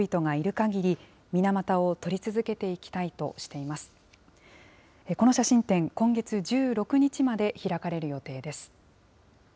この写真展、今月１６日まで開かれる予定です。